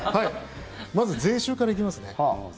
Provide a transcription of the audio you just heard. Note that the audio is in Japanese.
まず税収から行きますね。